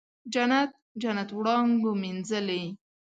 جنت، جنت وړانګو مینځلې